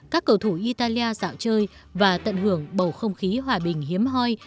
các cầu thủ italia dạo chơi và tận hưởng bầu không khí hòa bình hiếm hoi